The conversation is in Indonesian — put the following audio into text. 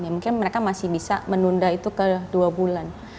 mungkin mereka masih bisa menunda itu ke dua bulan